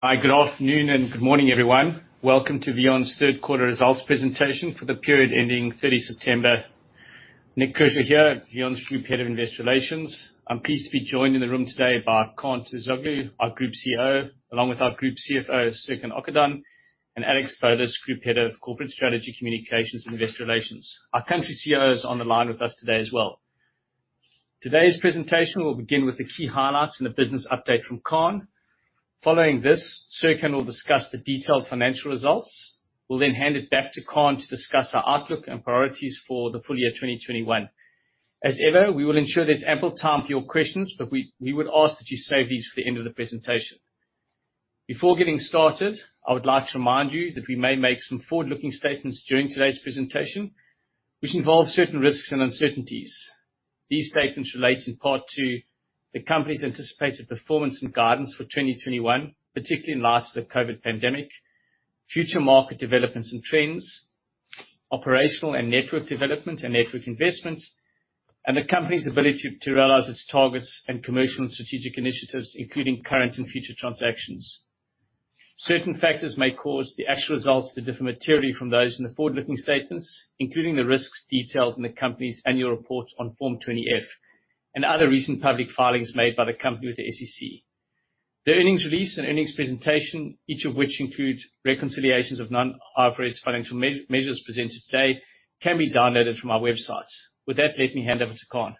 Hi, good afternoon and good morning, everyone. Welcome to VEON's Q3 Results Presentation for the period ending 30 September. Nik Kershaw here, VEON's Group Head of Investor Relations. I'm pleased to be joined in the room today by Kaan Terzioglu, our Group CEO, along with our Group CFO, Serkan Okandan, and Alex Bolis, Group Head of Corporate Strategy, Communications, and Investor Relations. Our country CEO is on the line with us today as well. Today's presentation will begin with the key highlights and the business update from Kaan. Following this, Serkan will discuss the detailed financial results. We'll then hand it back to Kaan to discuss our outlook and priorities for the full year 2021. As ever, we will ensure there's ample time for your questions, but we would ask that you save these for the end of the presentation. Before getting started, I would like to remind you that we may make some forward-looking statements during today's presentation, which involve certain risks and uncertainties. These statements relate in part to the company's anticipated performance and guidance for 2021, particularly in light of the COVID pandemic, future market developments and trends, operational and network development and network investments, and the company's ability to realize its targets and commercial and strategic initiatives, including current and future transactions. Certain factors may cause the actual results to differ materially from those in the forward-looking statements, including the risks detailed in the company's annual report on Form 20-F and other recent public filings made by the company with the SEC. The earnings release and earnings presentation, each of which include reconciliations of non-IFRS financial measures presented today, can be downloaded from our website. With that, let me hand over to Kaan.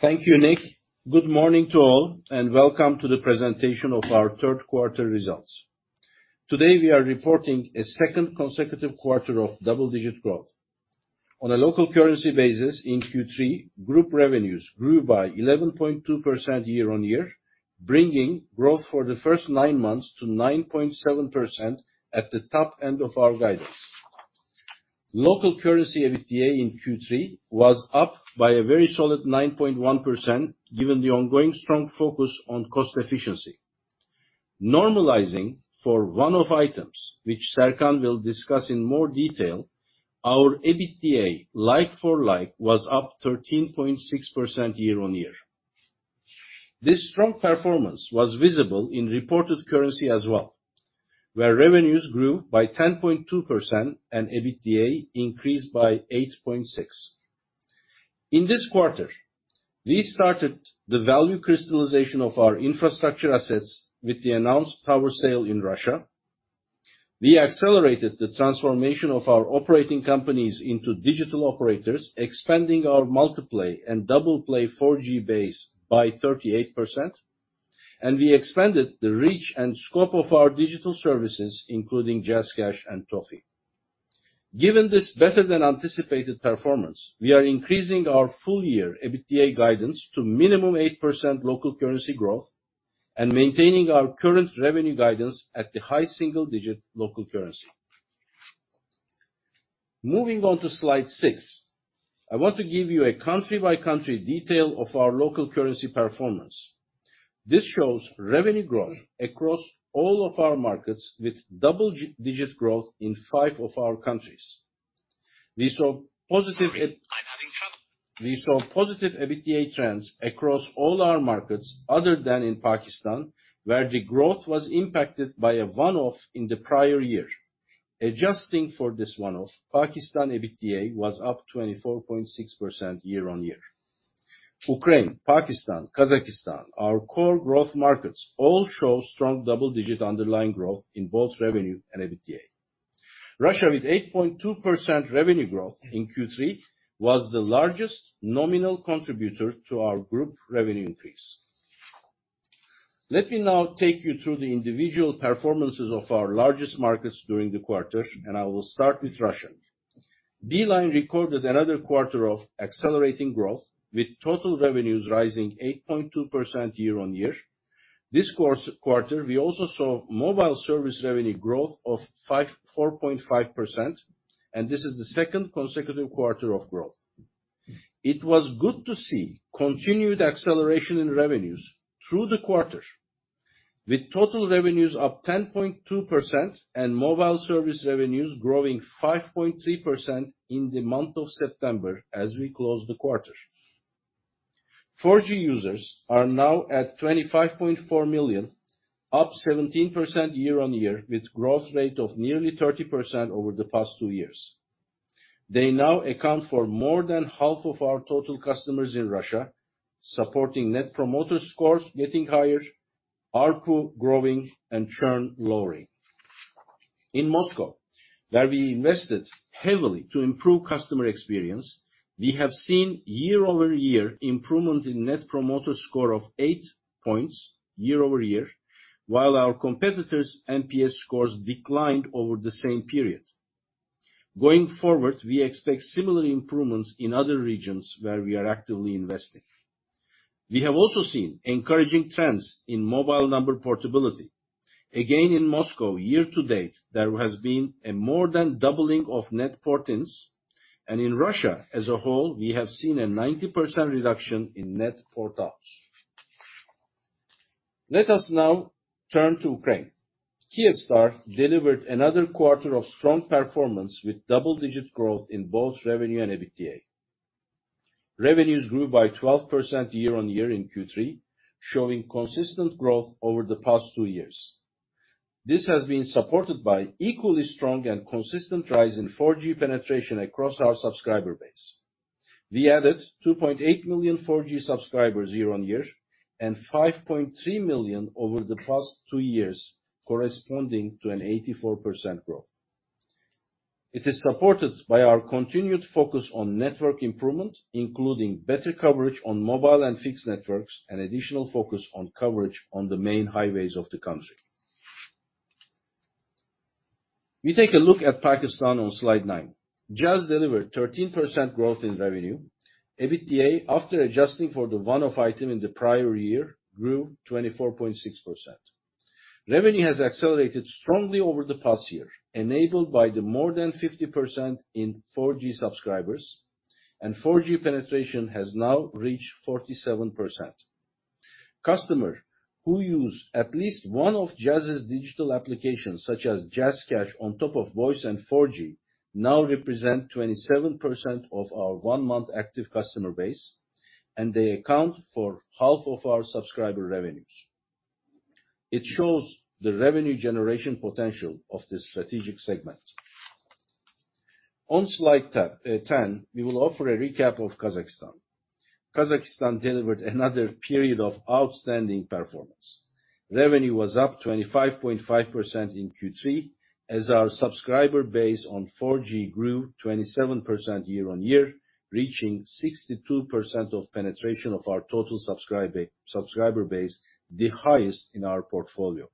Thank you, Nik. Good morning to all, and welcome to the presentation of our Q3 results. Today, we are reporting a second consecutive quarter of double-digit growth. On a local currency basis in Q3, group revenues grew by 11.2% year-on-year, bringing growth for the first nine months to 9.7% at the top end of our guidance. Local currency EBITDA in Q3 was up by a very solid 9.1% given the ongoing strong focus on cost efficiency. Normalizing for one-off items, which Serkan will discuss in more detail, our EBITDA, like-for-like, was up 13.6% year-on-year. This strong performance was visible in reported currency as well, where revenues grew by 10.2% and EBITDA increased by 8.6%. In this quarter, we started the value crystallization of our infrastructure assets with the announced tower sale in Russia. We accelerated the transformation of our operating companies into digital operators, expanding our Multiplay and Doubleplay 4G base by 38%, and we expanded the reach and scope of our digital services, including JazzCash and Toffee. Given this better than anticipated performance, we are increasing our full year EBITDA guidance to minimum 8% local currency growth and maintaining our current revenue guidance at the high single digit local currency. Moving on to slide six, I want to give you a country-by-country detail of our local currency performance. This shows revenue growth across all of our markets with double-digit growth in five of our countries. We saw positive- Sorry, I'm having trouble. We saw positive EBITDA trends across all our markets other than in Pakistan, where the growth was impacted by a one-off in the prior year. Adjusting for this one-off, Pakistan EBITDA was up 24.6% year-on-year. Ukraine, Pakistan, Kazakhstan, our core growth markets all show strong double-digit underlying growth in both revenue and EBITDA. Russia, with 8.2% revenue growth in Q3, was the largest nominal contributor to our group revenue increase. Let me now take you through the individual performances of our largest markets during the quarter, and I will start with Russia. Beeline recorded another quarter of accelerating growth, with total revenues rising 8.2% year-on-year. This quarter, we also saw mobile service revenue growth of 4.5%, and this is the second consecutive quarter of growth. It was good to see continued acceleration in revenues through the quarter, with total revenues up 10.2% and mobile service revenues growing 5.3% in the month of September as we close the quarter. 4G users are now at 25.4 million, up 17% year-over-year, with growth rate of nearly 30% over the past two years. They now account for more than half of our total customers in Russia, supporting Net Promoter Scores getting higher, ARPU growing, and churn lowering. In Moscow, where we invested heavily to improve customer experience, we have seen year-over-year improvement in Net Promoter Score of 8 points year-over-year, while our competitors' NPS scores declined over the same period. Going forward, we expect similar improvements in other regions where we are actively investing. We have also seen encouraging trends in mobile number portability. Again, in Moscow, year to date, there has been a more than doubling of net port-ins, and in Russia as a whole, we have seen a 90% reduction in net port-outs. Let us now turn to Ukraine. Kyivstar delivered another quarter of strong performance with double-digit growth in both revenue and EBITDA. Revenues grew by 12% year-over-year in Q3, showing consistent growth over the past two years. This has been supported by equally strong and consistent rise in 4G penetration across our subscriber base. We added 2.8 million 4G subscribers year-over-year, and 5.3 million over the past two years, corresponding to an 84% growth. It is supported by our continued focus on network improvement, including better coverage on mobile and fixed networks, and additional focus on coverage on the main highways of the country. We take a look at Pakistan on slide nine. Jazz delivered 13% growth in revenue. EBITDA, after adjusting for the one-off item in the prior year, grew 24.6%. Revenue has accelerated strongly over the past year, enabled by the more than 50% in 4G subscribers, and 4G penetration has now reached 47%. Customer who use at least one of Jazz's digital applications, such as JazzCash on top of voice and 4G, now represent 27% of our one-month active customer base, and they account for half of our subscriber revenues. It shows the revenue generation potential of this strategic segment. On slide 10, we will offer a recap of Kazakhstan. Kazakhstan delivered another period of outstanding performance. Revenue was up 25.5% in Q3, as our subscriber base on 4G grew 27% year-on-year, reaching 62% penetration of our total subscriber base, the highest in our portfolio.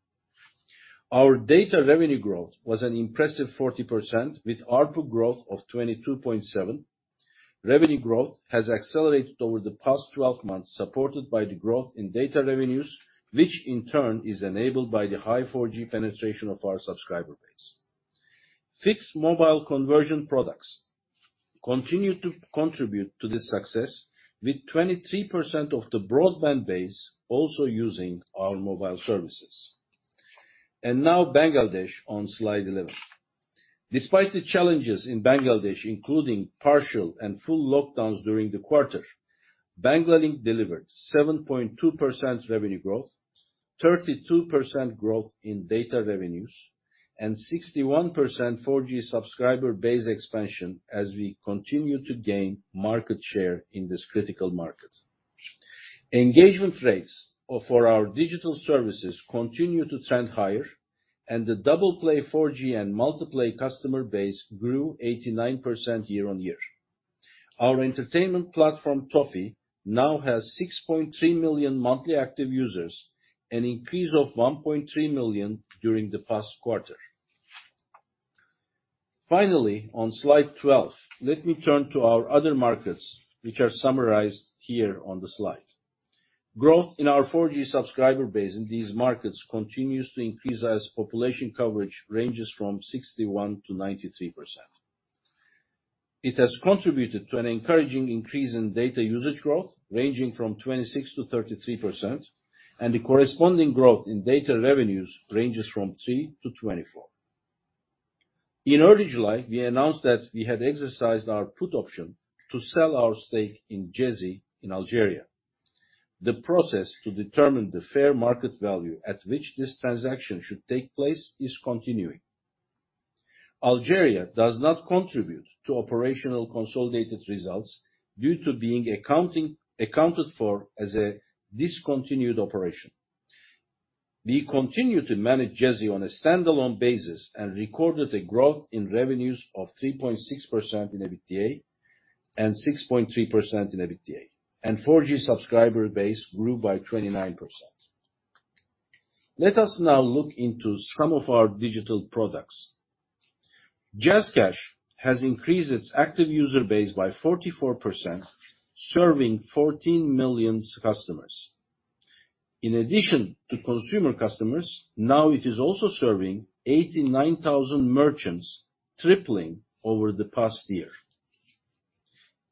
Our data revenue growth was an impressive 40% with ARPU growth of 22.7. Revenue growth has accelerated over the past 12 months, supported by the growth in data revenues, which in turn is enabled by the high 4G penetration of our subscriber base. Fixed mobile conversion products continue to contribute to this success with 23% of the broadband base also using our mobile services. Now Bangladesh on slide 11. Despite the challenges in Bangladesh, including partial and full lockdowns during the quarter, Banglalink delivered 7.2% revenue growth, 32% growth in data revenues, and 61% 4G subscriber base expansion as we continue to gain market share in this critical market. Engagement rates for our digital services continue to trend higher, and the Doubleplay 4G and Multiplay customer base grew 89% year-on-year. Our entertainment platform, Toffee, now has 6.3 million monthly active users, an increase of 1.3 million during the past quarter. Finally, on slide 12, let me turn to our other markets, which are summarized here on the slide. Growth in our 4G subscriber base in these markets continues to increase as population coverage ranges from 61%-93%. It has contributed to an encouraging increase in data usage growth, ranging from 26%-33%, and the corresponding growth in data revenues ranges from 3%-24%. In early July, we announced that we had exercised our put option to sell our stake in Djezzy in Algeria. The process to determine the fair market value at which this transaction should take place is continuing. Algeria does not contribute to operational consolidated results due to being accounted for as a discontinued operation. We continue to manage Djezzy on a standalone basis and recorded a growth in revenues of 3.6% and 6.3% in EBITDA, and 4G subscriber base grew by 29%. Let us now look into some of our digital products. JazzCash has increased its active user base by 44%, serving 14 million customers. In addition to consumer customers, now it is also serving 89,000 merchants, tripling over the past year.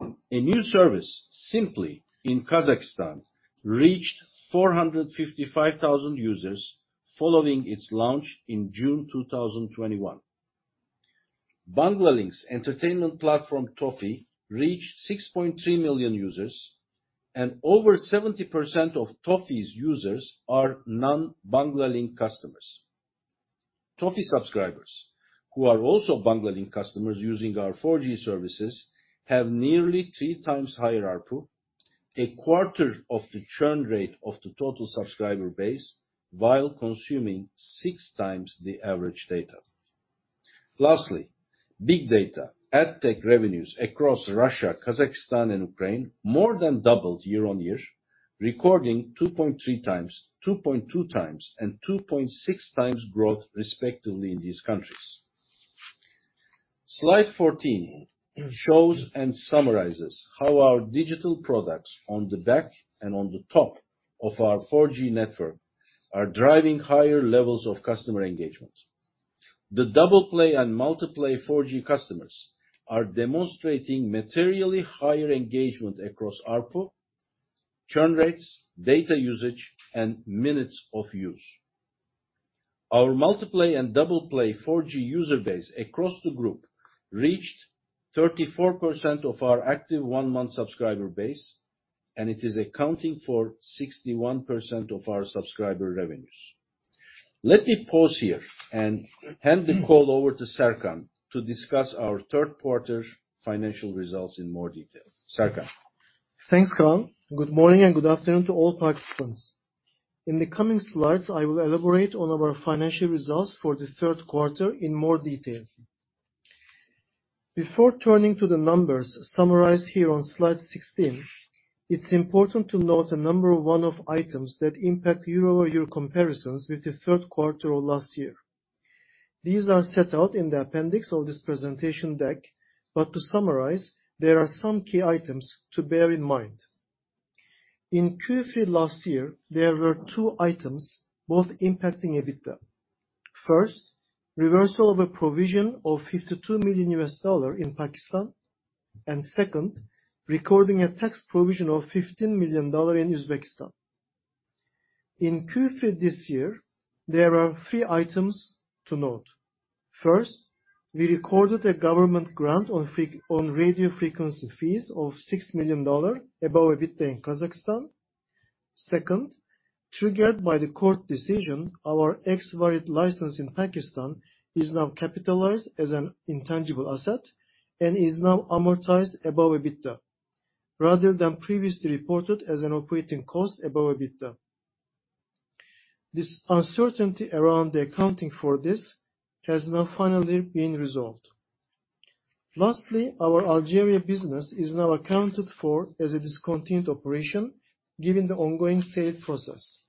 A new service, Simply, in Kazakhstan, reached 455,000 users following its launch in June 2021. Banglalink's entertainment platform, Toffee, reached 6.3 million users and over 70% of Toffee's users are non-Banglalink customers. Toffee subscribers who are also Banglalink customers using our 4G services have nearly three times higher ARPU, a quarter of the churn rate of the total subscriber base, while consuming six times the average data. Lastly, big data, ad tech revenues across Russia, Kazakhstan, and Ukraine more than doubled year on year, recording 2.3 times, 2.2 times, and 2.6 times growth respectively in these countries. Slide 14 shows and summarizes how our digital products on the back and on the top of our 4G network are driving higher levels of customer engagement. The Doubleplay and Multiplay 4G customers are demonstrating materially higher engagement across ARPU, churn rates, data usage, and minutes of use. Our Multiplay and Doubleplay 4G user base across the group reached 34% of our active one-month subscriber base, and it is accounting for 61% of our subscriber revenues. Let me pause here and hand the call over to Serkan to discuss our Q3 financial results in more detail. Serkan. Thanks, Kaan. Good morning and good afternoon to all participants. In the coming slides, I will elaborate on our financial results for the Q3 in more detail. Before turning to the numbers summarized here on slide 16, it's important to note a number of one-off items that impact year-over-year comparisons with the Q3 of last year. These are set out in the appendix of this presentation deck, but to summarize, there are some key items to bear in mind. In Q3 last year, there were two items, both impacting EBITDA. First, reversal of a provision of $52 million in Pakistan, and second, recording a tax provision of $15 million in Uzbekistan. In Q3 this year, there are three items to note. First, we recorded a government grant on radio frequency fees of $6 million above EBITDA in Kazakhstan. Second, triggered by the court decision, our expired license in Pakistan is now capitalized as an intangible asset and is now amortized above EBITDA, rather than previously reported as an operating cost above EBITDA. This uncertainty around the accounting for this has now finally been resolved. Lastly, our Algeria business is now accounted for as a discontinued operation given the ongoing sale process.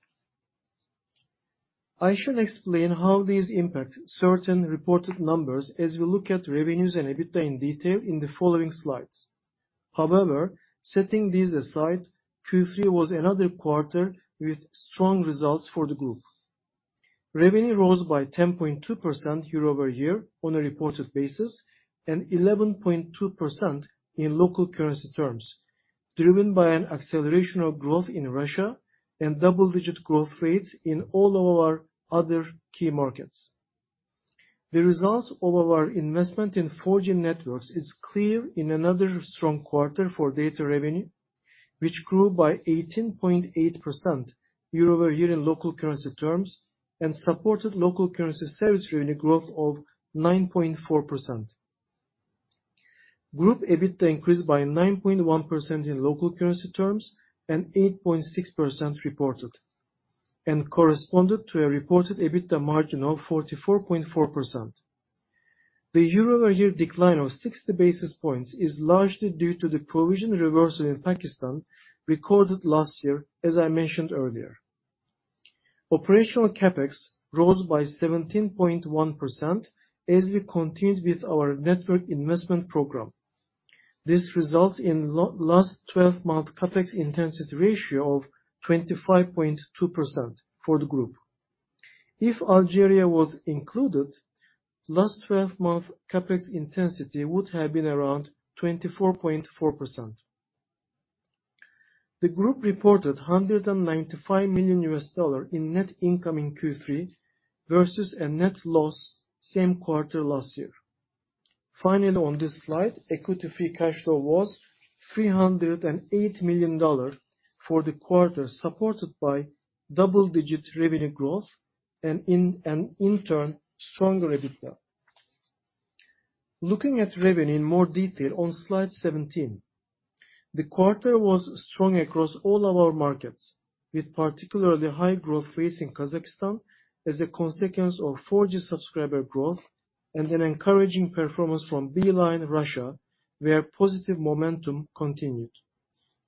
I should explain how these impact certain reported numbers as we look at revenues and EBITDA in detail in the following slides. However, setting these aside, Q3 was another quarter with strong results for the group. Revenue rose by 10.2% year-over-year on a reported basis and 11.2% in local currency terms, driven by an acceleration of growth in Russia and double-digit growth rates in all of our other key markets. The results of our investment in 4G networks is clear in another strong quarter for data revenue, which grew by 18.8% year-over-year in local currency terms and supported local currency service revenue growth of 9.4%. Group EBITDA increased by 9.1% in local currency terms and 8.6% reported, and corresponded to a reported EBITDA margin of 44.4%. The year-over-year decline of 60 basis points is largely due to the provision reversal in Pakistan recorded last year, as I mentioned earlier. Operational CapEx rose by 17.1% as we continued with our network investment program. This results in last twelve-month CapEx intensity ratio of 25.2% for the group. If Algeria was included, last twelve-month CapEx intensity would have been around 24.4%. The group reported $195 million in net income in Q3 versus a net loss same quarter last year. Finally, on this slide, equity free cash flow was $308 million for the quarter, supported by double-digit revenue growth and in turn, stronger EBITDA. Looking at revenue in more detail on slide 17. The quarter was strong across all our markets, with particularly high growth rates in Kazakhstan as a consequence of 4G subscriber growth and an encouraging performance from Beeline Russia, where positive momentum continued.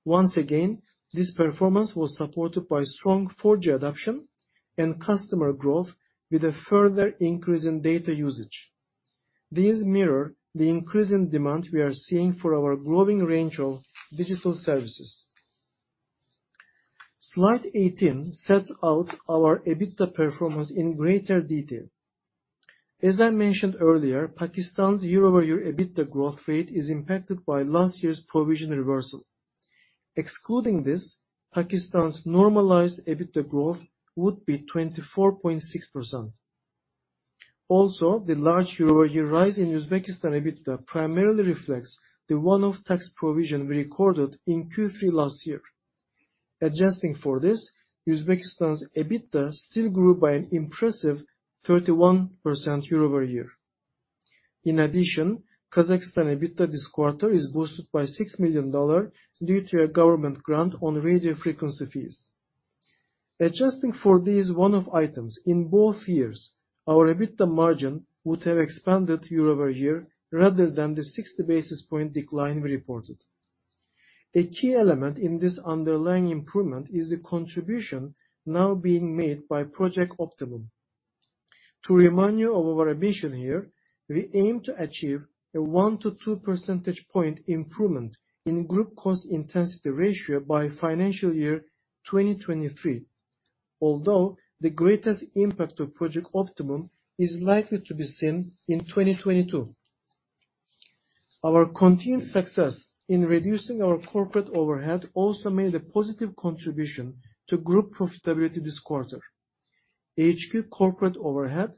Once again, this performance was supported by strong 4G adoption and customer growth with a further increase in data usage. These mirror the increase in demand we are seeing for our growing range of digital services. Slide 18 sets out our EBITDA performance in greater detail. As I mentioned earlier, Pakistan's year-over-year EBITDA growth rate is impacted by last year's provision reversal. Excluding this, Pakistan's normalized EBITDA growth would be 24.6%. Also, the large year-over-year rise in Uzbekistan EBITDA primarily reflects the one-off tax provision we recorded in Q3 last year. Adjusting for this, Uzbekistan's EBITDA still grew by an impressive 31% year over year. In addition, Kazakhstan EBITDA this quarter is boosted by $6 million due to a government grant on radio frequency fees. Adjusting for these one-off items in both years, our EBITDA margin would have expanded year over year rather than the 60 basis point decline we reported. A key element in this underlying improvement is the contribution now being made by Project Optimum. To remind you of our ambition here, we aim to achieve a 1-2 percentage point improvement in group cost intensity ratio by financial year 2023. Although the greatest impact of Project Optimum is likely to be seen in 2022. Our continued success in reducing our corporate overhead also made a positive contribution to group profitability this quarter. HQ corporate overhead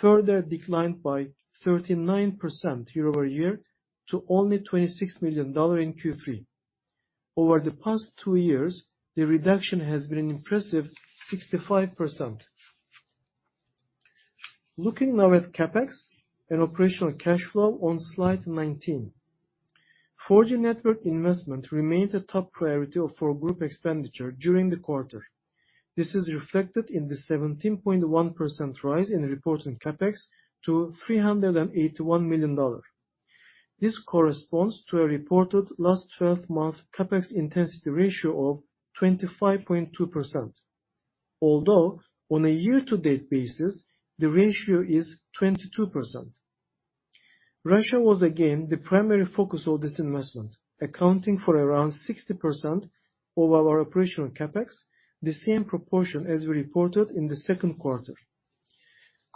further declined by 39% year-over-year to only $26 million in Q3. Over the past 2 years, the reduction has been an impressive 65%. Looking now at CapEx and operational cash flow on slide 19. 4G network investment remained a top priority of our group expenditure during the quarter. This is reflected in the 17.1% rise in reporting CapEx to $381 million. This corresponds to a reported last twelve-month CapEx intensity ratio of 25.2%. Although on a year-to-date basis, the ratio is 22%. Russia was again the primary focus of this investment, accounting for around 60% of our operational CapEx, the same proportion as we reported in the Q2.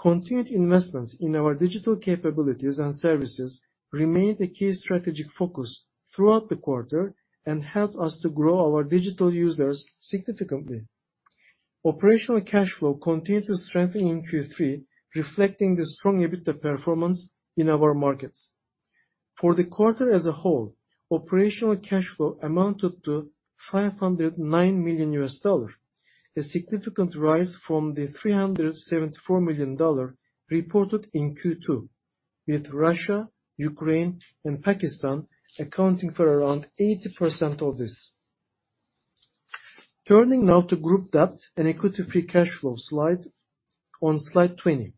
Continued investments in our digital capabilities and services remained a key strategic focus throughout the quarter and helped us to grow our digital users significantly. Operational cash flow continued to strengthen in Q3, reflecting the strong EBITDA performance in our markets. For the quarter as a whole, operational cash flow amounted to $509 million, a significant rise from the $374 million reported in Q2, with Russia, Ukraine and Pakistan accounting for around 80% of this. Turning now to group debt and equity free cash flow slide on slide 20.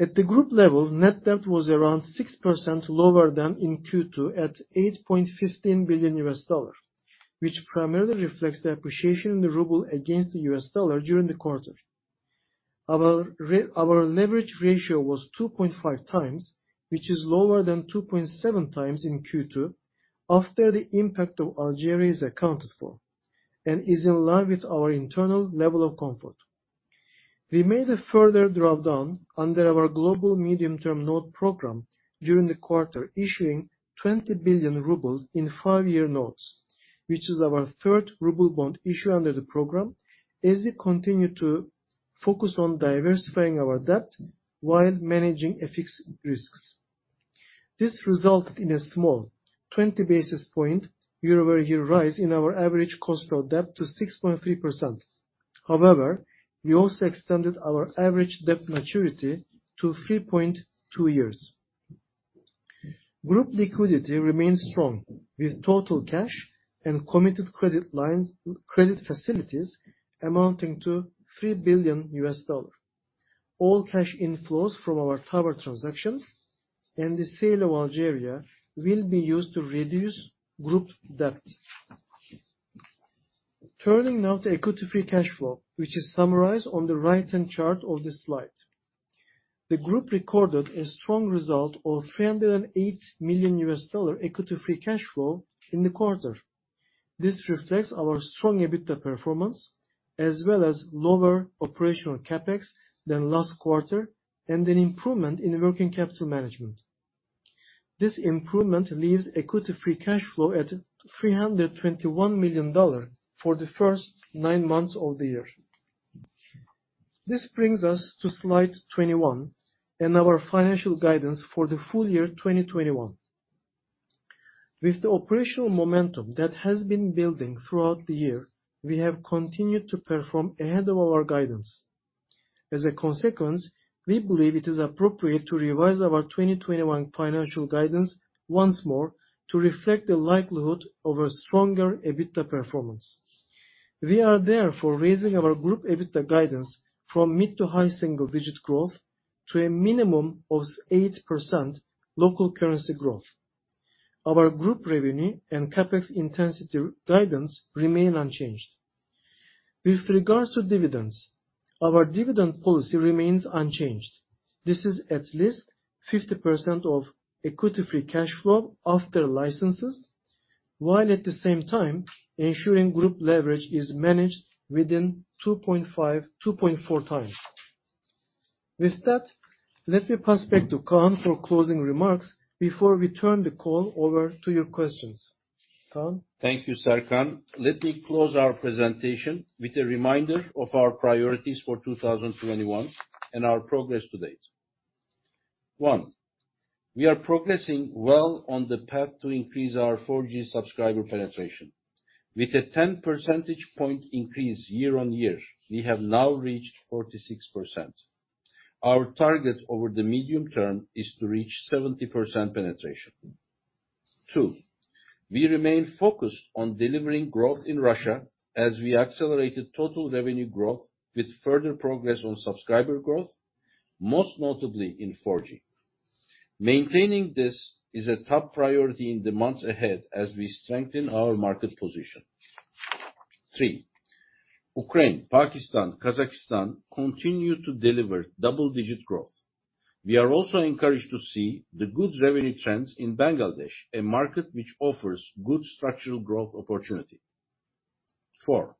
At the group level, net debt was around 6% lower than in Q2 at $8.15 billion, which primarily reflects the appreciation in the ruble against the US dollar during the quarter. Our leverage ratio was 2.5 times, which is lower than 2.7X in Q2, after the impact of Algeria is accounted for, and is in line with our internal level of comfort. We made a further drawdown under our Global Medium-Term Note Programme during the quarter, issuing 20 billion rubles in five-year notes, which is our third ruble bond issue under the program as we continue to focus on diversifying our debt while managing FX risks. This resulted in a small 20 basis point year-over-year rise in our average cost of debt to 6.3%. However, we also extended our average debt maturity to 3.2 years. Group liquidity remains strong, with total cash and committed credit lines, credit facilities amounting to $3 billion. All cash inflows from our tower transactions and the sale of Algeria will be used to reduce group debt. Turning now to equity free cash flow, which is summarized on the right-hand chart of this slide. The group recorded a strong result of $308 million equity free cash flow in the quarter. This reflects our strong EBITDA performance, as well as lower operational CapEx than last quarter, and an improvement in working capital management. This improvement leaves equity free cash flow at $321 million for the first nine months of the year. This brings us to slide 21 and our financial guidance for the full year 2021. With the operational momentum that has been building throughout the year, we have continued to perform ahead of our guidance. As a consequence, we believe it is appropriate to revise our 2021 financial guidance once more to reflect the likelihood of a stronger EBITDA performance. We are therefore raising our group EBITDA guidance from mid- to high-single-digit growth to a minimum of 8% local currency growth. Our group revenue and CapEx intensity guidance remain unchanged. With regards to dividends, our dividend policy remains unchanged. This is at least 50% of equity free cash flow after licenses, while at the same time ensuring group leverage is managed within 2.5, 2.4X. With that, let me pass back to Kaan for closing remarks before we turn the call over to your questions. Kaan? Thank you, Serkan. Let me close our presentation with a reminder of our priorities for 2021 and our progress to date. One, we are progressing well on the path to increase our 4G subscriber penetration. With a 10 percentage point increase year-on-year, we have now reached 46%. Our target over the medium term is to reach 70% penetration. Two, we remain focused on delivering growth in Russia as we accelerated total revenue growth with further progress on subscriber growth, most notably in 4G. Maintaining this is a top priority in the months ahead as we strengthen our market position. Three, Ukraine, Pakistan, Kazakhstan continue to deliver double-digit growth. We are also encouraged to see the good revenue trends in Bangladesh, a market which offers good structural growth opportunity. Four,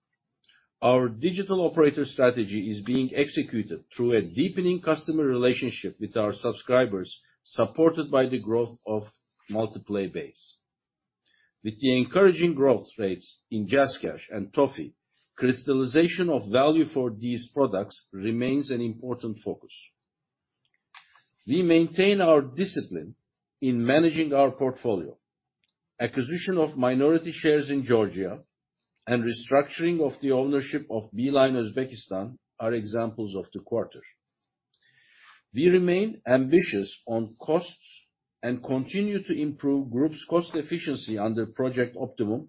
our digital operator strategy is being executed through a deepening customer relationship with our subscribers, supported by the growth of Multiplay base. With the encouraging growth rates in JazzCash and Toffee, crystallization of value for these products remains an important focus. We maintain our discipline in managing our portfolio. Acquisition of minority shares in Georgia and restructuring of the ownership of Beeline Uzbekistan are examples of the quarter. We remain ambitious on costs and continue to improve group's cost efficiency under Project Optimum,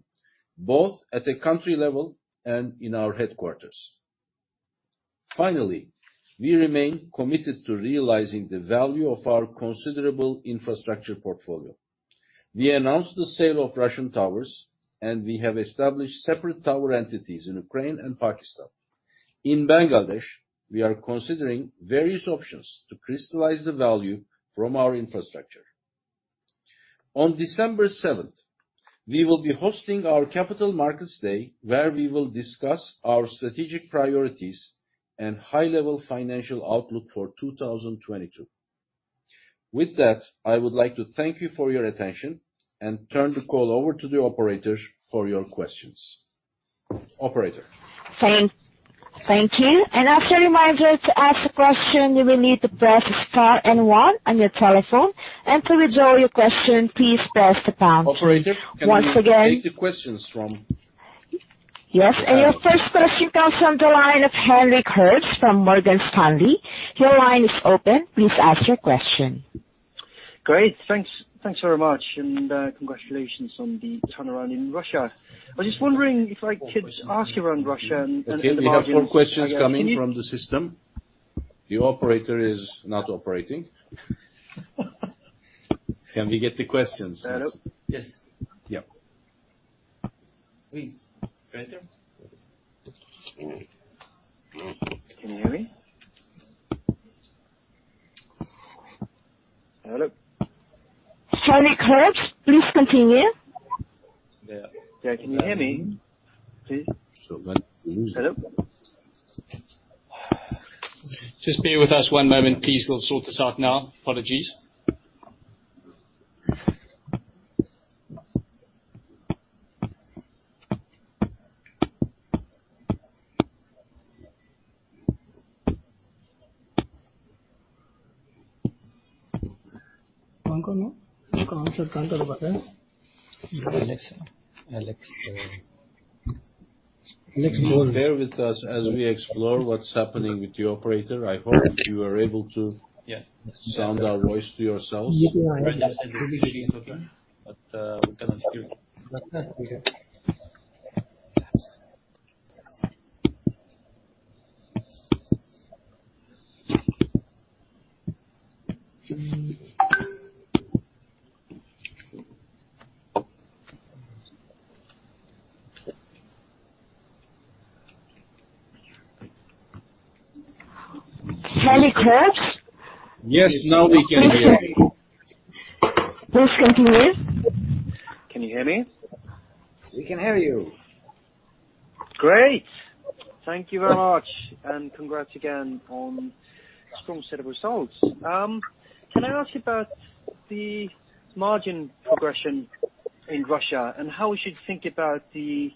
both at a country level and in our headquarters. Finally, we remain committed to realizing the value of our considerable infrastructure portfolio. We announced the sale of Russian towers, and we have established separate tower entities in Ukraine and Pakistan. In Bangladesh, we are considering various options to crystallize the value from our infrastructure. On December seventh, we will be hosting our Capital Markets Day, where we will discuss our strategic priorities and high-level financial outlook for 2022. With that, I would like to thank you for your attention and turn the call over to the operators for your questions. Operator? Thank you. As a reminder, to ask a question, you will need to press star and one on your telephone. To withdraw your question, please press the pound key. Operator- Once again. Can we take the questions from? Yes. Your first question comes from the line of Henrik Herbst from Morgan Stanley. Your line is open. Please ask your question. Great. Thanks very much, and congratulations on the turnaround in Russia. I was just wondering if I could ask you about Russia and the margin. Okay. We have more questions coming from the system. The operator is not operating. Can we get the questions? Raw transcript Henrik Herbst, please continue. Yeah. Can you hear me please? Still going. Hello? Just bear with us one moment, please. We'll sort this out now. Apologies. Alex. Bear with us as we explore what's happening with the operator. I hope you are able to hear our voices clearly. Henrik Herbst. Yes. Now we can hear you. Please continue. Can you hear me? We can hear you. Great. Thank you very much, and congrats again on strong set of results. Can I ask you about the margin progression in Russia and how we should think about the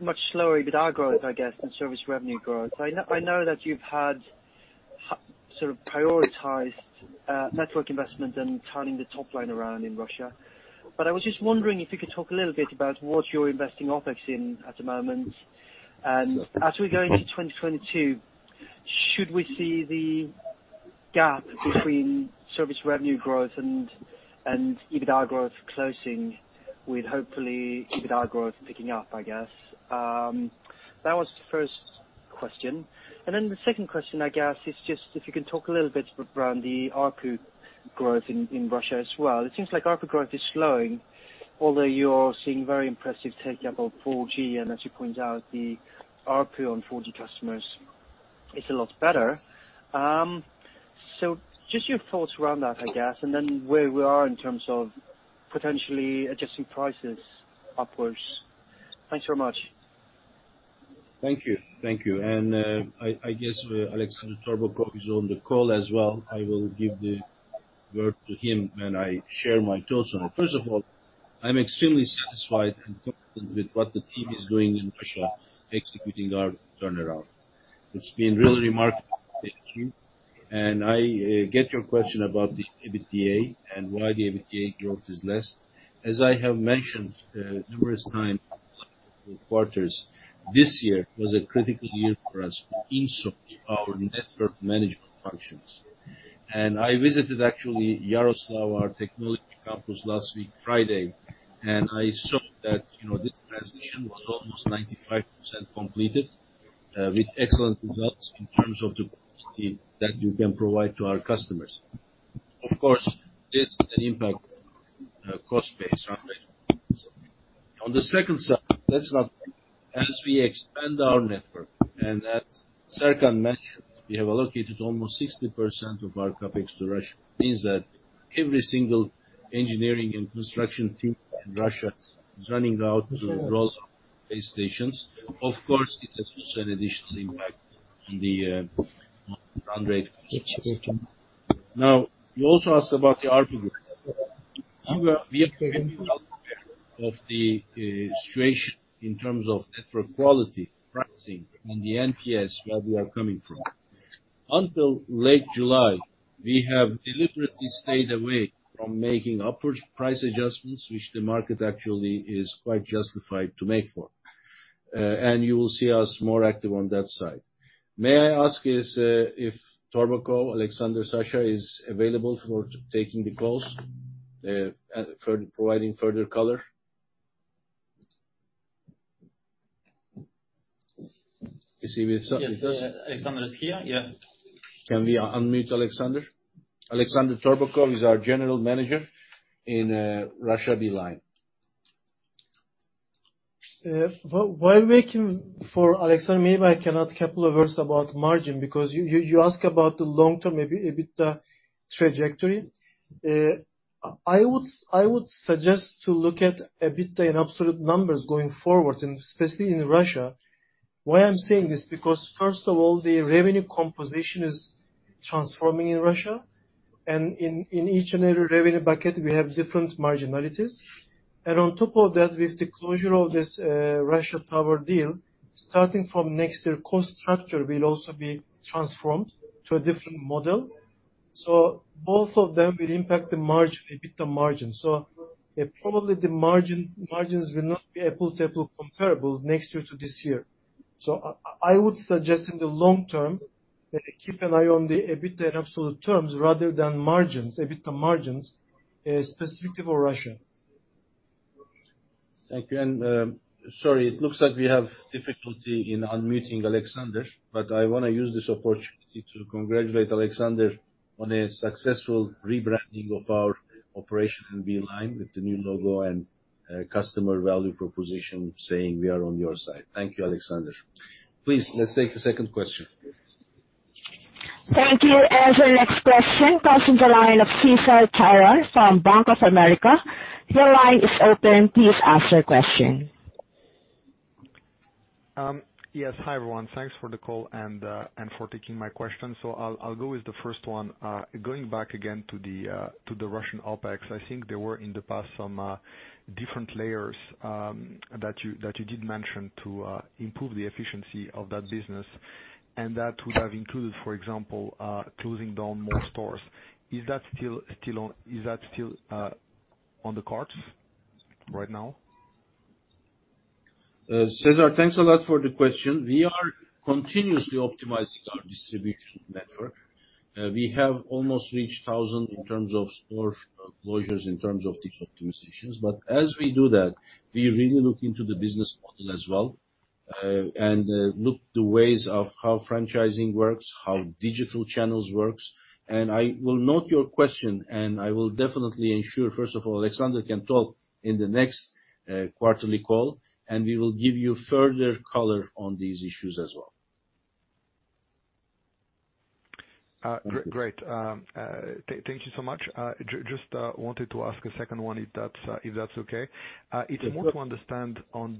much slower EBITDA growth, I guess, and service revenue growth? I know that you've had sort of prioritized network investment and turning the top line around in Russia, but I was just wondering if you could talk a little bit about what you're investing OpEx in at the moment. As we go into 2022, should we see the gap between service revenue growth and EBITDA growth closing with hopefully EBITDA growth picking up, I guess. That was the first question. The second question, I guess, is just if you can talk a little bit around the ARPU growth in Russia as well. It seems like ARPU growth is slowing, although you're seeing very impressive take-up of 4G, and as you point out, the ARPU on 4G customers is a lot better. Just your thoughts around that, I guess, and then where we are in terms of potentially adjusting prices upwards. Thanks very much. Thank you. I guess Alex Torbakhov is on the call as well. I will give the word to him, and I share my thoughts on it. First of all, I'm extremely satisfied and confident with what the team is doing in Russia, executing our turnaround. It's been really remarkable. Thank you. I get your question about the EBITDA and why the EBITDA growth is less. As I have mentioned numerous times this quarter, this year was a critical year for us to insource our network management functions. I visited actually Yaroslavl, our technology campus, last week Friday, and I saw that, you know, this transition was almost 95% completed with excellent results in terms of the quality that you can provide to our customers. Of course, this can impact our cost base, right? On the second side, that's not all. As we expand our network, and that's Serkan mentioned, we have allocated almost 60% of our CapEx to Russia. Means that every single engineering and construction team in Russia is running out to roll out base stations. Of course, it has also an additional impact on the run rate. Okay. Now, you also asked about the ARPU growth. We are very well aware of the situation in terms of network quality, pricing, and the NPS, where we are coming from. Until late July, we have deliberately stayed away from making upward price adjustments, which the market actually is quite justified to make for. You will see us more active on that side. May I ask if Torbakhov, Alexander, Sasha is available for taking the calls and for providing further color. Is he with us? Yes. Alexander is here. Yeah. Can we unmute Alexander? Alexander Torbakhov is our general manager in Russia, Beeline. While waiting for Alexander, maybe I can add a couple of words about margin, because you ask about the long term, maybe a bit trajectory. I would suggest to look at a bit the in absolute numbers going forward, and especially in Russia. Why I'm saying this, because first of all, the revenue composition is transforming in Russia and in each and every revenue bucket we have different marginalities. On top of that, with the closure of this Russia tower deal, starting from next year, cost structure will also be transformed to a different model. Both of them will impact the margin, EBITDA margin. Probably the margin, margins will not be apples-to-apples comparable next year to this year. I would suggest in the long term, keep an eye on the EBITDA in absolute terms rather than margins, EBITDA margins, specifically for Russia. Thank you. Sorry, it looks like we have difficulty in unmuting Alexander, but I want to use this opportunity to congratulate Alexander on a successful rebranding of our operation in Beeline with the new logo and customer value proposition saying, "We are on your side." Thank you, Alexander. Please, let's take the second question. Thank you. As our next question comes on the line of Cesar Tiron from Bank of America. Your line is open. Please ask your question. Yes. Hi, everyone. Thanks for the call and for taking my question. I'll go with the first one. Going back again to the Russian OpEx. I think there were, in the past some different layers that you did mention to improve the efficiency of that business. That would have included, for example, closing down more stores. Is that still on the cards right now? Cesar, thanks a lot for the question. We are continuously optimizing our distribution network. We have almost reached 1,000 in terms of store closures, in terms of these optimizations. As we do that, we really look into the business model as well, and look at the ways of how franchising works, how digital channels work. I will note your question, and I will definitely ensure, first of all, Alexander can talk in the next quarterly call, and we will give you further color on these issues as well. Great. Thank you so much. Just wanted to ask a second one, if that's okay. Sure. I just want to understand on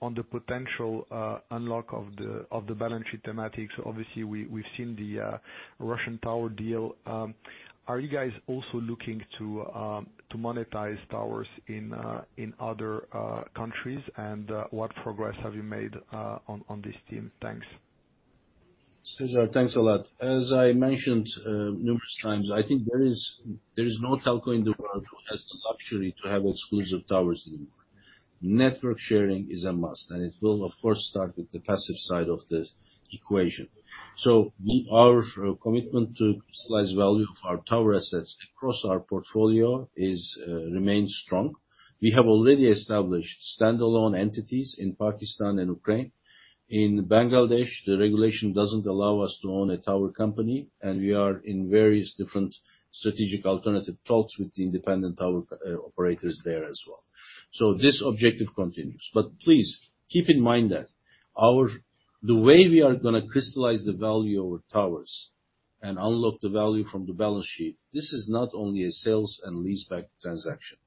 the potential unlock of the balance sheet thematics. Obviously we've seen the Russian tower deal. Are you guys also looking to monetize towers in other countries? What progress have you made on this theme? Thanks. Cesar, thanks a lot. As I mentioned numerous times, I think there is no telco in the world who has the luxury to have exclusive towers anymore. Network sharing is a must, and it will of course start with the passive side of the equation. Our commitment to realize value of our tower assets across our portfolio remains strong. We have already established standalone entities in Pakistan and Ukraine. In Bangladesh, the regulation doesn't allow us to own a tower company, and we are in various different strategic alternative talks with the independent tower operators there as well. This objective continues. Please keep in mind that the way we are going to crystallize the value of towers and unlock the value from the balance sheet, this is not only a sale and leaseback transaction.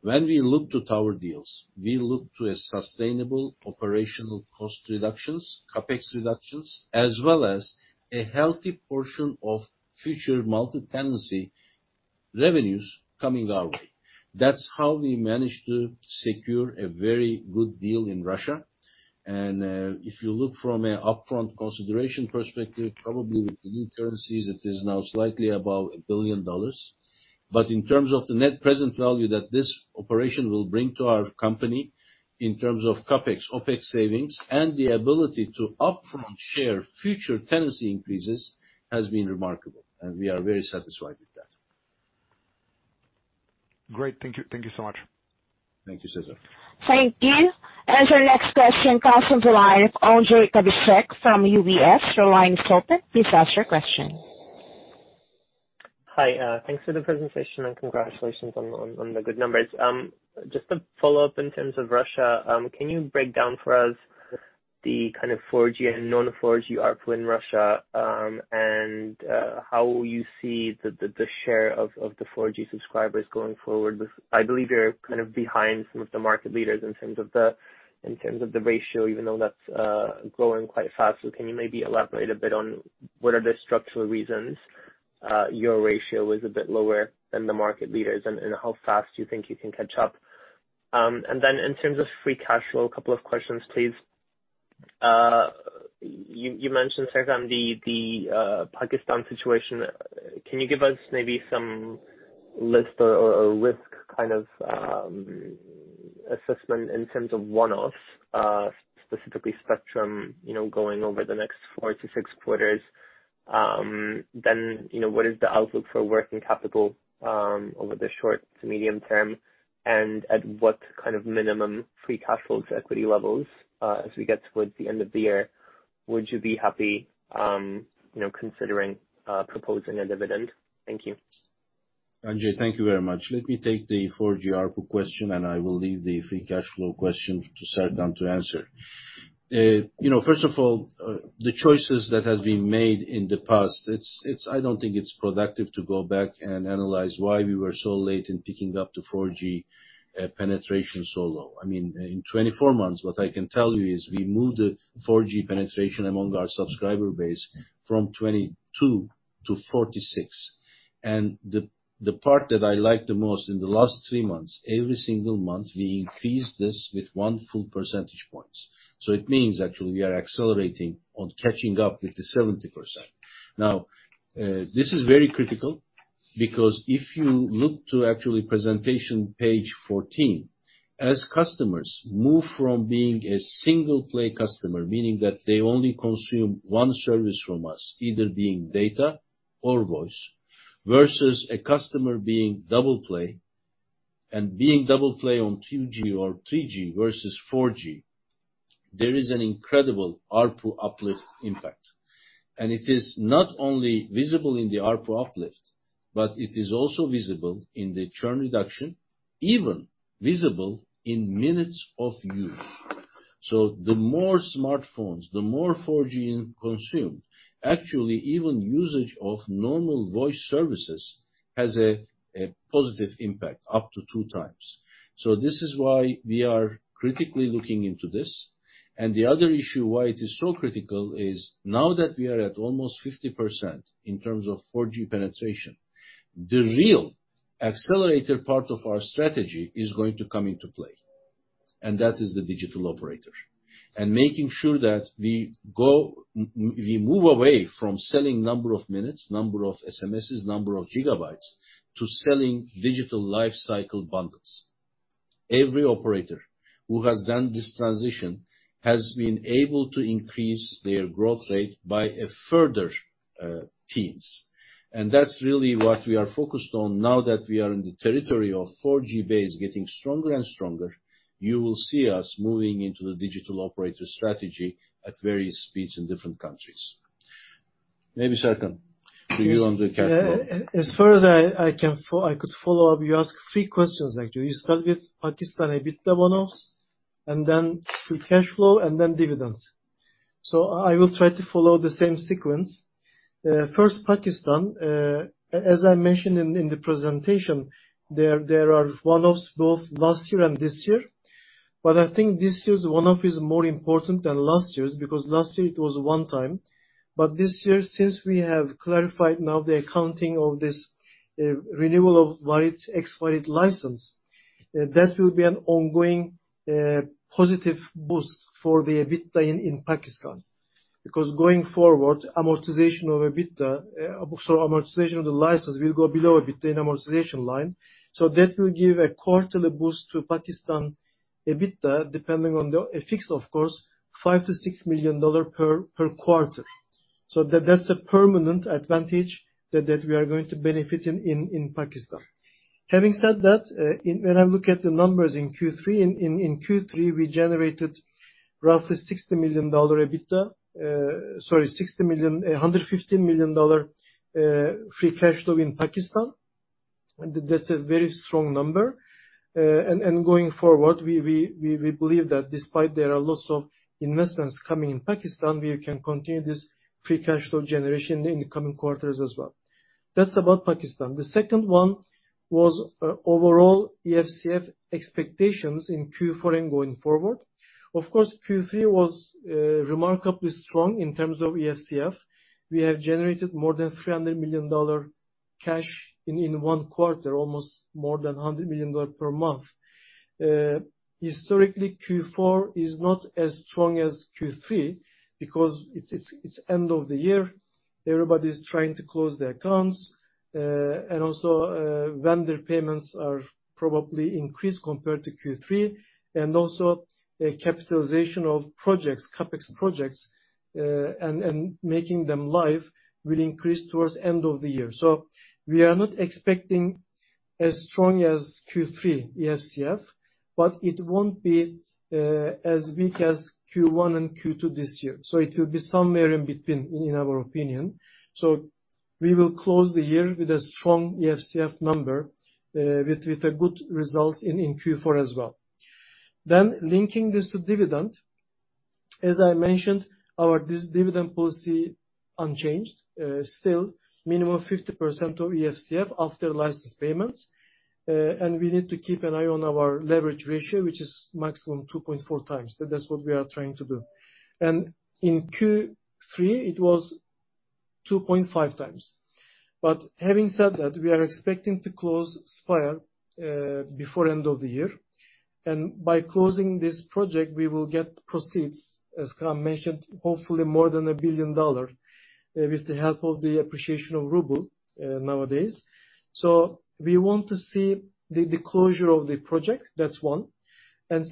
When we look to tower deals, we look to a sustainable operational cost reductions, CapEx reductions, as well as a healthy portion of future multi-tenancy revenues coming our way. That's how we managed to secure a very good deal in Russia. If you look from an upfront consideration perspective, probably with the new currencies, it is now slightly above $1 billion. In terms of the net present value that this operation will bring to our company in terms of CapEx, OpEx savings, and the ability to upfront share future tenancy increases, has been remarkable, and we are very satisfied with that. Great. Thank you. Thank you so much. Thank you, Cesar. Thank you. Our next question comes on the line Ondrej Cabejsek from UBS. Your line is open. Please ask your question. Hi, thanks for the presentation, and congratulations on the good numbers. Just a follow-up in terms of Russia, can you break down for us the kind of 4G and non-4G ARPU in Russia, and how you see the share of the 4G subscribers going forward. I believe you're kind of behind some of the market leaders in terms of the ratio, even though that's growing quite fast. Can you maybe elaborate a bit on what are the structural reasons your ratio is a bit lower than the market leaders and how fast do you think you can catch up? And then in terms of free cash flow, a couple of questions, please. You mentioned, Serkan, the Pakistan situation. Can you give us maybe some list or risk kind of assessment in terms of one-offs, specifically spectrum, you know, going over the next 4-6 quarters? Then, you know, what is the outlook for working capital over the short to medium term? And at what kind of minimum free cash flows equity levels, as we get towards the end of the year, would you be happy, you know, considering proposing a dividend? Thank you. Ondrej, thank you very much. Let me take the 4G ARPU question, and I will leave the free cash flow question to Serkan to answer. You know, first of all, the choices that has been made in the past, it's I don't think it's productive to go back and analyze why we were so late in picking up the 4G penetration so low. I mean, in 24 months, what I can tell you is we moved the 4G penetration among our subscriber base from 22 to 46. The part that I like the most in the last three months, every single month, we increase this with one full percentage points. It means actually we are accelerating on catching up with the 70%. This is very critical because if you look to actually presentation page 14, as customers move from being a single play customer, meaning that they only consume one service from us, either being data or voice, versus a customer being double play, and being double play on 2G or 3G versus 4G, there is an incredible ARPU uplift impact. It is not only visible in the ARPU uplift, but it is also visible in the churn reduction, even visible in minutes of use. The more smartphones, the more 4G consumed, actually even usage of normal voice services has a positive impact up to two times. This is why we are critically looking into this. The other issue why it is so critical is now that we are at almost 50% in terms of 4G penetration, the real accelerator part of our strategy is going to come into play, and that is the digital operator. Making sure that we move away from selling number of minutes, number of SMSs, number of gigabytes to selling digital life cycle bundles. Every operator who has done this transition has been able to increase their growth rate by a further teens. That's really what we are focused on now that we are in the territory of 4G base getting stronger and stronger. You will see us moving into the digital operator strategy at various speeds in different countries. Maybe Serkan, to you on the cash flow. As far as I could follow up, you asked three questions, actually. You start with Pakistan EBITDA one-offs and then free cash flow and then dividends. I will try to follow the same sequence. First, Pakistan. As I mentioned in the presentation, there are one-offs both last year and this year. I think this year's one-off is more important than last year's, because last year it was one time. This year, since we have clarified now the accounting of this renewal of valid expired license, that will be an ongoing positive boost for the EBITDA in Pakistan. Because going forward, amortization of the license will go below EBITDA amortization line. That will give a quarterly boost to Pakistan EBITDA, depending on the FX, of course, $5-$6 million per quarter. That's a permanent advantage that we are going to benefit in Pakistan. Having said that, when I look at the numbers in Q3, we generated roughly $60 million EBITDA. Sorry, $115 million free cash flow in Pakistan. That's a very strong number. And going forward, we believe that despite there are lots of investments coming in Pakistan, we can continue this free cash flow generation in the coming quarters as well. That's about Pakistan. The second one was overall EFCF expectations in Q4 and going forward. Of course, Q3 was remarkably strong in terms of EFCF. We have generated more than $300 million dollars cash in one quarter, almost more than $100 million dollars per month. Historically, Q4 is not as strong as Q3 because it's the end of the year. Everybody's trying to close their accounts. Vendor payments are probably increased compared to Q3. A capitalization of projects, CapEx projects, and making them live will increase towards the end of the year. We are not expecting as strong as Q3 EFCF, but it won't be as weak as Q1 and Q2 this year. It will be somewhere in between, in our opinion. We will close the year with a strong EFCF number, with a good result in Q4 as well. Linking this to dividend, as I mentioned, our dividend policy unchanged, still minimum 50% of EFCF after license payments. We need to keep an eye on our leverage ratio, which is maximum 2.4 times. That's what we are trying to do. In Q3, it was 2.5X. Having said that, we are expecting to close Spire before end of the year. By closing this project, we will get proceeds, as Kaan mentioned, hopefully more than $1 billion, with the help of the appreciation of ruble nowadays. We want to see the closure of the project, that's one.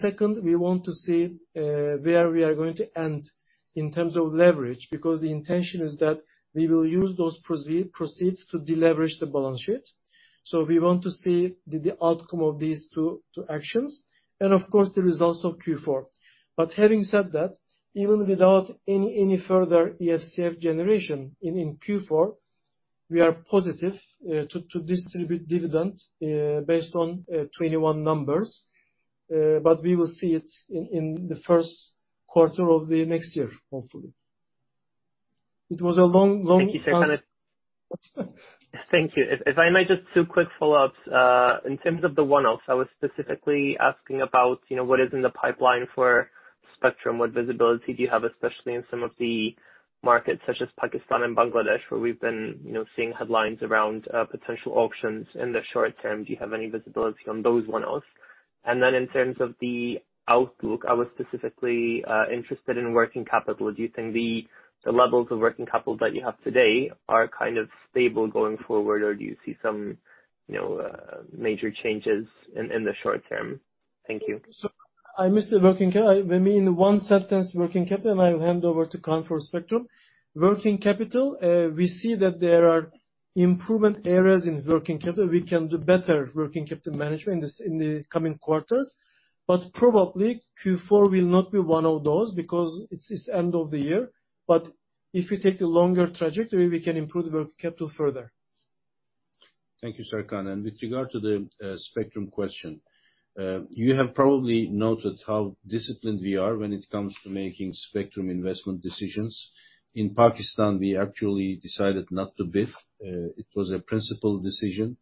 Second, we want to see where we are going to end in terms of leverage, because the intention is that we will use those proceeds to deleverage the balance sheet. We want to see the outcome of these two actions and of course, the results of Q4. Having said that, even without any further EFCF generation in Q4, we are positive to distribute dividend based on 2021 numbers. We will see it in the Q1 of the next year, hopefully. It was a long Thank you, Serkan. Thank you. If I may, just two quick follow-ups. In terms of the one-offs, I was specifically asking about, you know, what is in the pipeline for spectrum. What visibility do you have, especially in some of the markets such as Pakistan and Bangladesh, where we've been, you know, seeing headlines around potential auctions in the short term. Do you have any visibility on those one-offs? And then in terms of the outlook, I was specifically interested in working capital. Do you think the levels of working capital that you have today are kind of stable going forward, or do you see some, you know, major changes in the short term? Thank you. I missed the working capital. Let me in one sentence, working capital, and I'll hand over to Kaan for spectrum. Working capital, we see that there are improvement areas in working capital. We can do better working capital management in the coming quarters, but probably Q4 will not be one of those because it's end of the year. If you take the longer trajectory, we can improve working capital further. Thank you, Serkan. With regard to the spectrum question, you have probably noted how disciplined we are when it comes to making spectrum investment decisions. In Pakistan, we actually decided not to bid. It was a principled decision.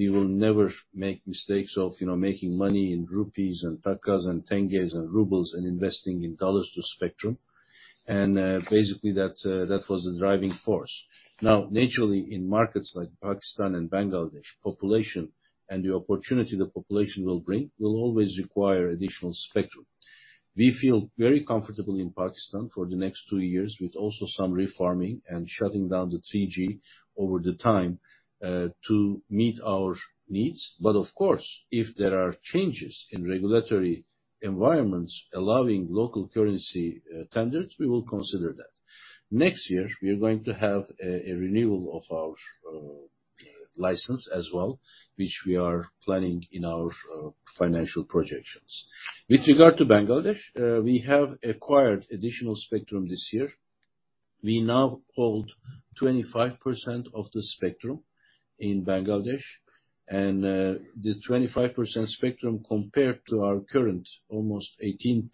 We will never make mistakes of, you know, making money in rupees and takas and tenges and rubles and investing in dollars to spectrum. Basically that was the driving force. Now, naturally, in markets like Pakistan and Bangladesh, population and the opportunity the population will bring, will always require additional spectrum. We feel very comfortable in Pakistan for the next two years, with also some reforming and shutting down the 3G over the time to meet our needs. Of course, if there are changes in regulatory environments allowing local currency tenders, we will consider that. Next year we are going to have a renewal of our license as well, which we are planning in our financial projections. With regard to Bangladesh, we have acquired additional spectrum this year. We now hold 25% of the spectrum in Bangladesh, and the 25% spectrum compared to our current almost 18%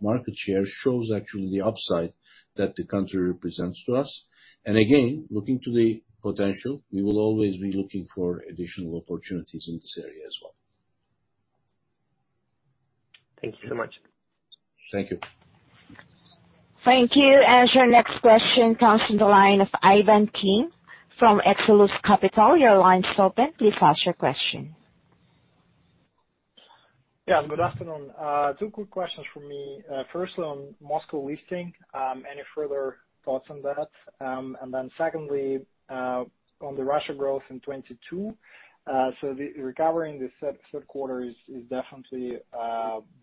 market share shows actually the upside that the country represents to us. Again, looking to the potential, we will always be looking for additional opportunities in this area as well. Thank you so much. Thank you. Thank you. Your next question comes from the line of Ivan Kim from Xtellius Capital. Your line's open. Please ask your question. Yes, good afternoon. Two quick questions from me. Firstly on Moscow listing. Any further thoughts on that? And then secondly, on the Russia growth in 2022. The recovery in the Q3 is definitely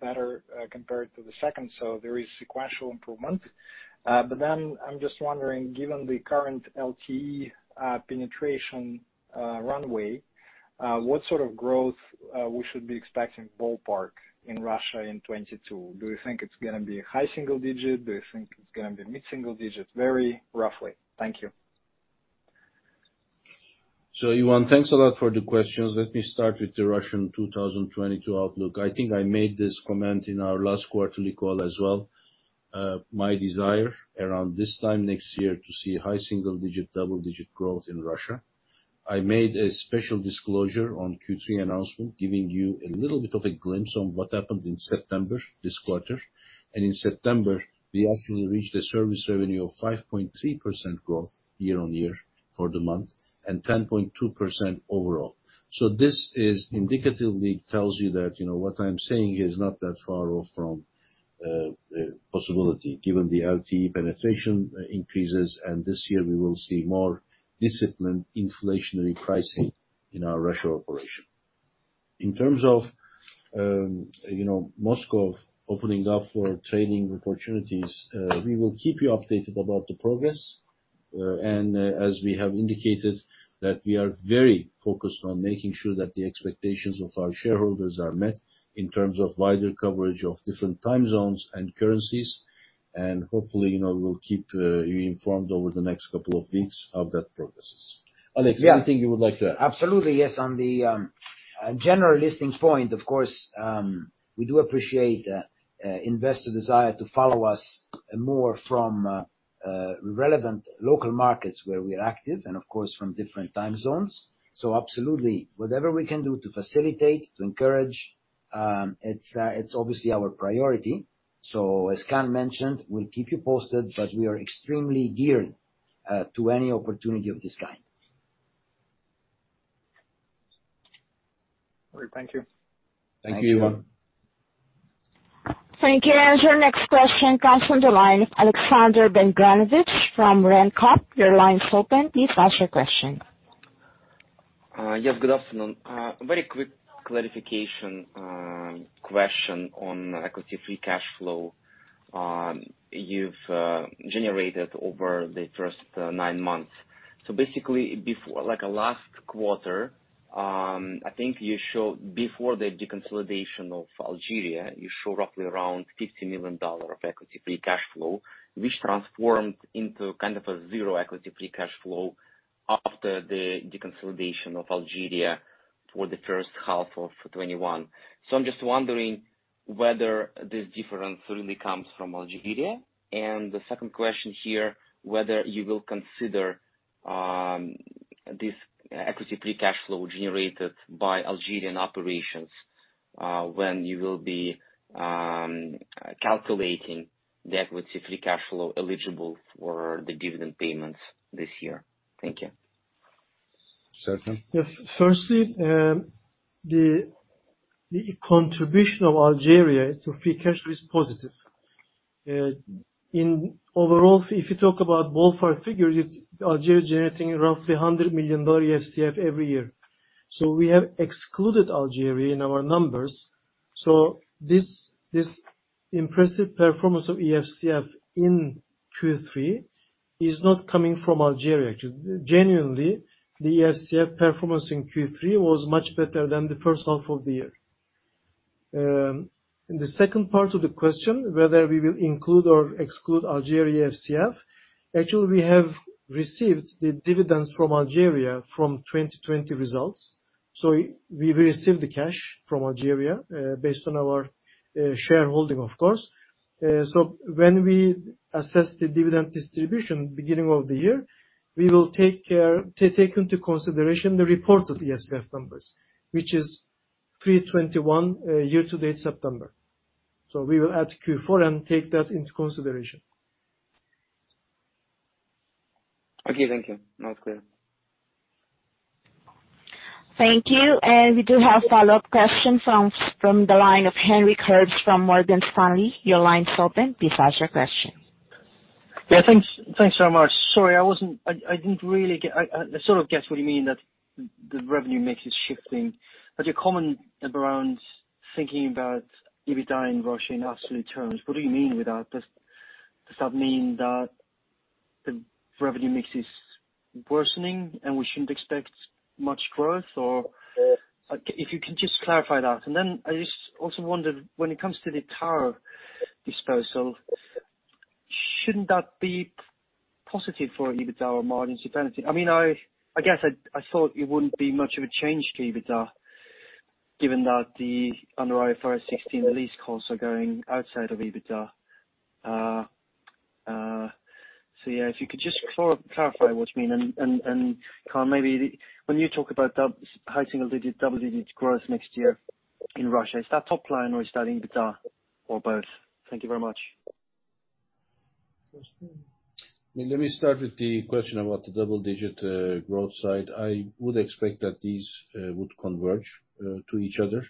better compared to the second, so there is sequential improvement. Then I'm just wondering, given the current LTE penetration runway, what sort of growth we should be expecting ballpark in Russia in 2022? Do you think it's going to be high single digit? Do you think it's going to be mid-single digit? Very roughly. Thank you. Ivan, thanks a lot for the questions. Let me start with the Russian 2022 outlook. I think I made this comment in our last quarterly call as well. My desire around this time next year to see high single-digit, double-digit growth in Russia. I made a special disclosure on Q3 announcement, giving you a little bit of a glimpse on what happened in September, this quarter. In September, we actually reached a service revenue of 5.3% growth year-on-year for the month and 10.2% overall. This indicatively tells you that, you know, what I'm saying here is not that far off from a possibility given the LTE penetration increases, and this year we will see more disciplined inflationary pricing in our Russia operation. In terms of, you know, Moscow opening up for trading opportunities, we will keep you updated about the progress. As we have indicated, that we are very focused on making sure that the expectations of our shareholders are met in terms of wider coverage of different time zones and currencies. Hopefully, you know, we'll keep you informed over the next couple of weeks of that progress. Alex- Yeah. Is there anything you would like to add? Absolutely, yes. On the general listings point, of course, we do appreciate investors' desire to follow us more from relevant local markets where we're active, and of course, from different time zones. Absolutely. Whatever we can do to facilitate, to encourage, it's obviously our priority. As Kaan mentioned, we'll keep you posted, but we are extremely geared to any opportunity of this kind. All right, thank you. Thank you Ivan. Thank you. Your next question comes from the line of Alexander Vengranovich from Renaissance Capital. Your line is open. Please ask your question. Yes, good afternoon. A very quick clarification question on equity free cash flow you've generated over the first nine months. Basically before last quarter, I think you showed before the deconsolidation of Algeria, you showed roughly around $50 million of equity free cash flow, which transformed into kind of a 0 equity free cash flow after the deconsolidation of Algeria for the first half of 2021. I'm just wondering whether this difference really comes from Algeria. The second question here, whether you will consider this equity free cash flow generated by Algerian operations when you will be calculating the equity free cash flow eligible for the dividend payments this year. Thank you. Serkan? Yes. Firstly, the contribution of Algeria to free cash flow is positive. Overall, if you talk about both our figures, it's Algeria generating roughly $100 million EFCF every year. We have excluded Algeria in our numbers. This impressive performance of EFCF in Q3 is not coming from Algeria actually. Genuinely, the EFCF performance in Q3 was much better than the first half of the year. The second part of the question, whether we will include or exclude Algeria EFCF. Actually, we have received the dividends from Algeria from 2020 results. We've received the cash from Algeria, based on our shareholding, of course. When we assess the dividend distribution beginning of the year, we will take into consideration the reported EFCF numbers, which is $321 million year to date September. We will add Q4 and take that into consideration. Okay, thank you. Now it's clear. Thank you. We do have follow-up question from the line of Henrik Herbst from Morgan Stanley. Your line's open. Please ask your question. Thanks so much. Sorry, I didn't really get it. I sort of guess what you mean that the revenue mix is shifting. Your comment around thinking about EBITDA in Russia in absolute terms, what do you mean with that? Does that mean that the revenue mix is worsening and we shouldn't expect much growth? Or Yeah. If you can just clarify that. I just also wondered, when it comes to the tower disposal, shouldn't that be positive for EBITDA or margin sustainability? I mean, I guess I thought it wouldn't be much of a change to EBITDA, given that under IFRS 16 lease costs are going outside of EBITDA. Yeah, if you could just clarify what you mean. Kaan, maybe when you talk about high single digit, double digit growth next year in Russia, is that top line or is that EBITDA or both? Thank you very much. Serkan? Let me start with the question about the double digit growth side. I would expect that these would converge to each other,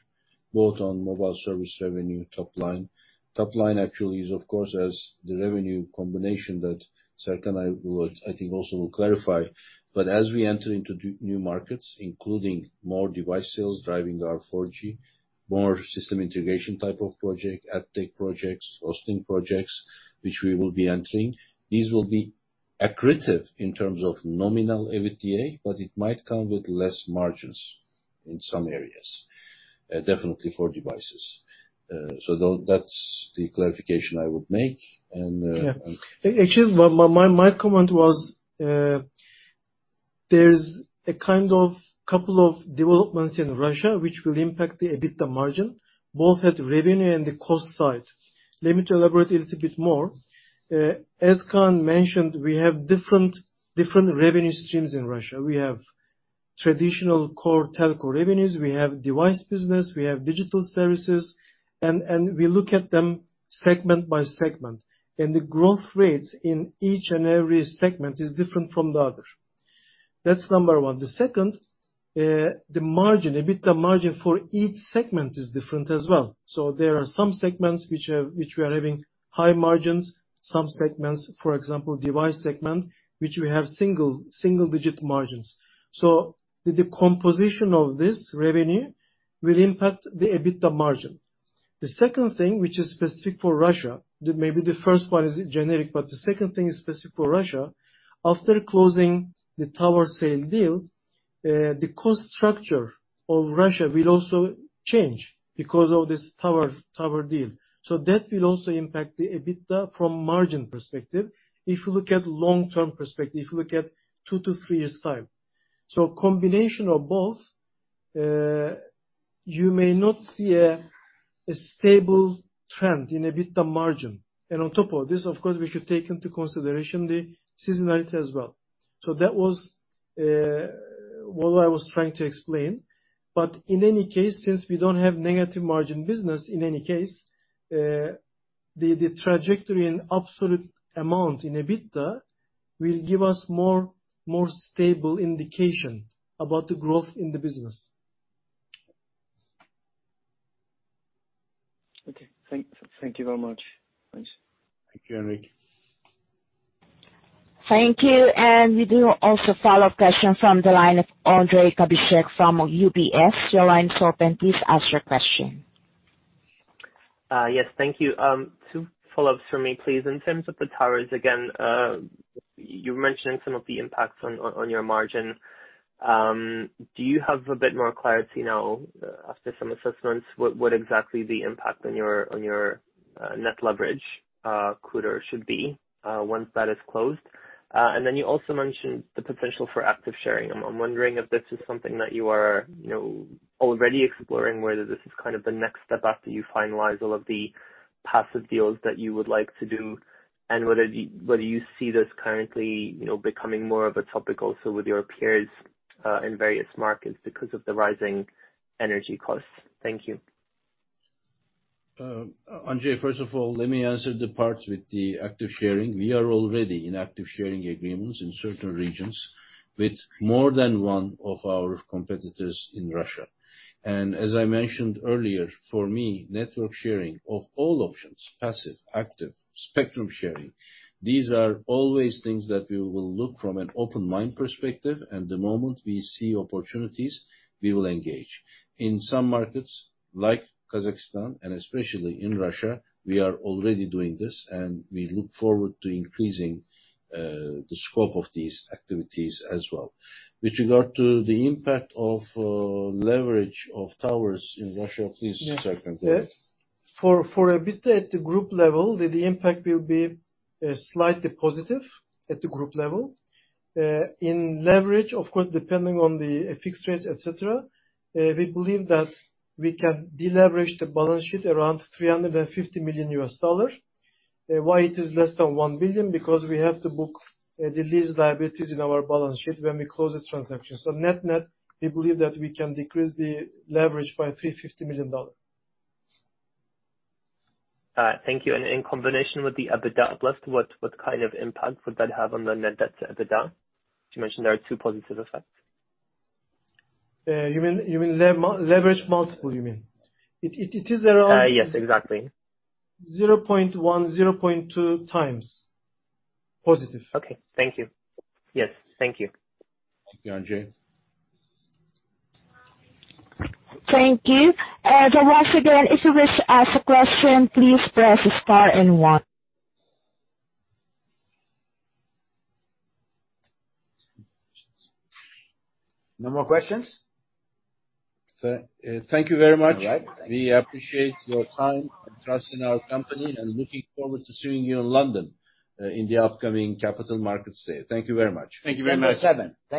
both on mobile service revenue top line. Top line actually is of course as the revenue combination that Serkan and I would, I think also will clarify. As we enter into new markets, including more device sales driving our 4G, more system integration type of project, uptake projects, hosting projects which we will be entering. These will be accretive in terms of nominal EBITDA, but it might come with less margins in some areas, definitely for devices. So that's the clarification I would make. Yeah. Actually, my comment was, there's a couple of developments in Russia which will impact the EBITDA margin, both at revenue and the cost side. Let me elaborate a little bit more. As Kaan mentioned, we have different revenue streams in Russia. We have traditional core telco revenues, we have device business, we have digital services, and we look at them segment by segment. The growth rates in each and every segment is different from the other. That's number one. The second, the margin, EBITDA margin for each segment is different as well. So there are some segments which we are having high margins. Some segments, for example, device segment, which we have single digit margins. So the decomposition of this revenue will impact the EBITDA margin. The second thing, which is specific for Russia, maybe the first one is generic, but the second thing is specific for Russia. After closing the tower sale deal, the cost structure of Russia will also change because of this tower deal. That will also impact the EBITDA from margin perspective if you look at long-term perspective, if you look at 2-3 years time. Combination of both, you may not see a stable trend in EBITDA margin. On top of this, of course, we should take into consideration the seasonality as well. That was what I was trying to explain. In any case, since we don't have negative margin business, in any case, the trajectory in absolute amount in EBITDA will give us more stable indication about the growth in the business. Okay. Thank you very much. Thanks. Thank you, Henrik. Thank you. We do have also follow-up question from the line of Ondrej Cabejšek from UBS. Your line is open, please ask your question. Yes, thank you. Two follow-ups for me, please. In terms of the towers again, you mentioned some of the impacts on your margin. Do you have a bit more clarity now after some assessments, what exactly the impact on your net leverage could or should be once that is closed? Then you also mentioned the potential for active sharing. I'm wondering if this is something that you are you know already exploring, whether this is kind of the next step after you finalize all of the passive deals that you would like to do, and whether you see this currently you know becoming more of a topic also with your peers in various markets because of the rising energy costs. Thank you. Ondrej, first of all, let me answer the part with the active sharing. We are already in active sharing agreements in certain regions with more than one of our competitors in Russia. As I mentioned earlier, for me, network sharing of all options, passive, active, spectrum sharing, these are always things that we will look from an open mind perspective, and the moment we see opportunities, we will engage. In some markets like Kazakhstan and especially in Russia, we are already doing this, and we look forward to increasing the scope of these activities as well. With regard to the impact of leverage of towers in Russia, please Serkan take. Yeah. For EBITDA at the group level, the impact will be slightly positive at the group level. In leverage, of course, depending on the fixed rates, et cetera, we believe that we can deleverage the balance sheet around $350 million. Why it is less than $1 billion? Because we have to book the lease liabilities in our balance sheet when we close the transaction. Net-net, we believe that we can decrease the leverage by $350 million. Thank you. In combination with the EBITDA uplift, what kind of impact would that have on the net debt to EBITDA? You mentioned there are two positive effects. You mean leverage multiple, you mean? It is around- Yes, exactly. 0.1, 0.2x. Positive. Okay. Thank you. Yes. Thank you. Thank you, Ondrej. Thank you. Once again, if you wish to ask a question, please press star and one. No more questions? Thank you very much. All right. We appreciate your time and trust in our company, and looking forward to seeing you in London, in the upcoming Capital Markets Day. Thank you very much. Thank you very much. September 7th, 2022,.